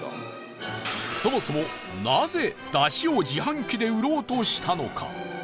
そもそも、なぜ、だしを自販機で売ろうとしたのか？